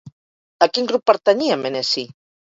A quin grup pertanyia Meneci?